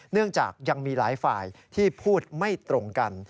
เนื่องจากยังมีหลายฝ่ายที่พูดไม่ตรงกัน